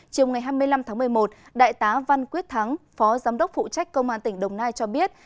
chiều ngày hai mươi năm tháng một mươi một đại tá văn quyết thắng phó giám đốc phụ trách công an tỉnh đồng nai cho biết